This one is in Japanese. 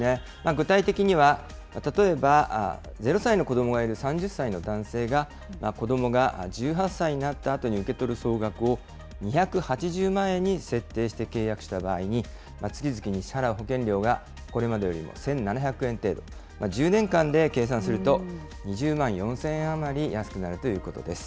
具体的には、例えば、０歳の子どもがいる３０歳の男性が、子どもが１８歳になったあとに受け取る総額を２８０万円に設定して契約した場合に、月々に支払う保険料がこれまでよりも１７００円程度、１０年間で計算すると、２０万４０００円余り安くなるということです。